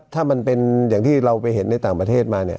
ถ้ามันเป็นอย่างที่เราไปเห็นในต่างประเทศมาเนี่ย